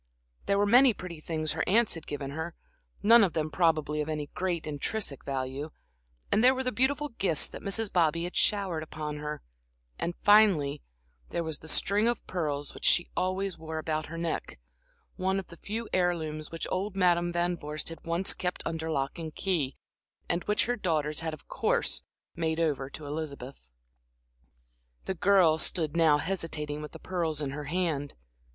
There were many pretty things her aunts had given her, none of them probably of any great intrinsic value, and there were the beautiful gifts that Mrs. Bobby had showered upon her; and, finally, there was the string of pearls which she always wore about her neck, one of the few heirlooms which old Madam Van Vorst had once kept under lock and key, and which her daughters had of course made over to Elizabeth. The girl stood now hesitating with the pearls in her hand.